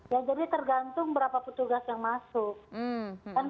ya jadi tergantung berapa petugas yang masuk